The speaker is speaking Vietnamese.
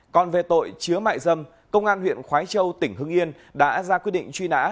còn về tội chứa mại dâm công an huyện khói châu tỉnh hưng yên đã ra quyết định truy nã